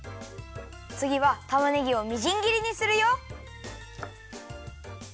つぎはたまねぎをみじんぎりにするよ！